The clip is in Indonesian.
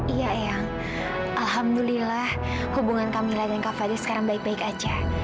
iya ayang alhamdulillah hubungan kamilah dan kak fadil sekarang baik baik aja